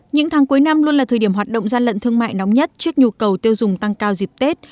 những tháng cuối năm luôn là thời điểm hoạt động gian lận thương mại nóng nhất trước nhu cầu tiêu dùng tăng cao dịp tết